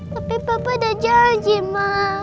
tapi papa udah janji ma